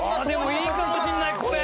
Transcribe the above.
いいかもしれないこれ。